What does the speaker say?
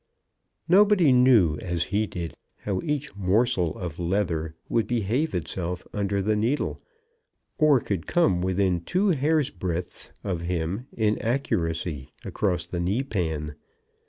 Nobody knew as he did how each morsel of leather would behave itself under the needle, or could come within two hairbreadths of him in accuracy across the kneepan.